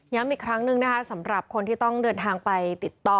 อีกครั้งหนึ่งนะคะสำหรับคนที่ต้องเดินทางไปติดต่อ